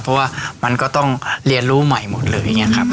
เพราะว่ามันก็ต้องเรียนรู้ใหม่หมดเลยอย่างนี้ครับ